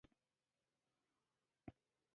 کروندګر یې له سختو ستونزو سره مخ کړل.